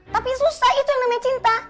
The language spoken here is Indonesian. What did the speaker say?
tapi susah itu yang namanya cinta